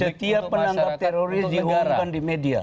setiap penangkap teroris diharga di media